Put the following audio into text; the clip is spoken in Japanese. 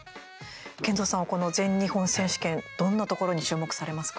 ＫＥＮＺＯさんはこの全日本選手権どんなところに注目されますか？